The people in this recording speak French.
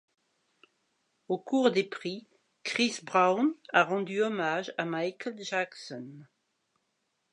Au cours des prix, Chris Brown a rendu hommage à Michael Jackson.